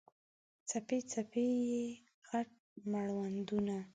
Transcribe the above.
څپې، څپې یې، غټ مړوندونه